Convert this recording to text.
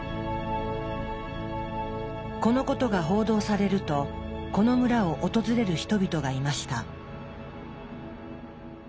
このことが報道されるとこの村を訪れる人々がいました。